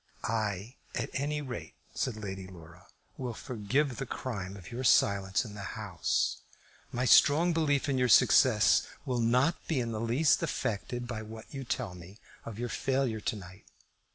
"I, at any rate," said Lady Laura, "will forgive the crime of your silence in the House. My strong belief in your success will not be in the least affected by what you tell me of your failure to night.